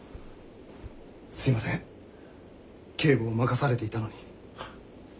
すいません警護を任されていたのに。